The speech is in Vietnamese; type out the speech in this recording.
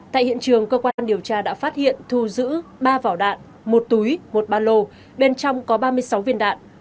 tại hiện trường cơ quan điều tra đã phát hiện thu giữ ba vỏ đạn một túi một ba lô bên trong có ba mươi sáu viên đạn